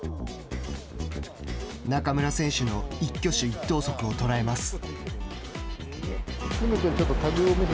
中村選手の一挙手一投足を捉えます。